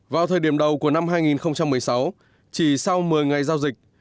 vào thời điểm đầu của năm hai nghìn một mươi sáu chỉ sau một mươi ngày giao dịch